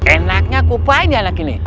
enaknya aku upah ini anak ini